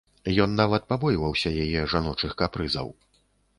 Ён нават пабойваўся яе жаночых капрызаў.